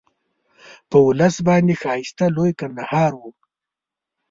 په ولس باندې ښایسته لوی کندهار وو.